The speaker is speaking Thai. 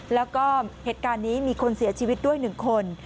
แล้วก็เหตุการณ์นี้มีคนเสียชีวิตด้วย๑คน